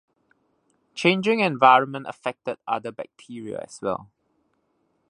Changing environment affected other bacteria as well.